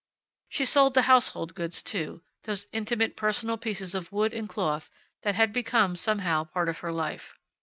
She sold the household goods too those intimate, personal pieces of wood and cloth that had become, somehow, part of her life.